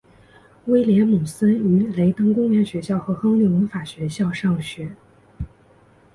威廉姆森于雷登公园学校和亨利文法学校上学。